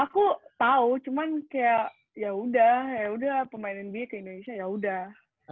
aku tau cuman kayak yaudah yaudah pemain nba ke indonesia yaudah